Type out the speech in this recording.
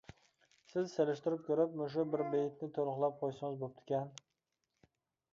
سىز سېلىشتۇرۇپ كۆرۈپ مۇشۇ بىر بېيىتنى تولۇقلاپ قويسىڭىز بوپتىكەن.